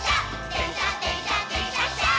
「でんしゃでんしゃでんしゃっしゃ」